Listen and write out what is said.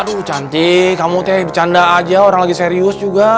aduh cantik kamu teh bercanda aja orang lagi serius juga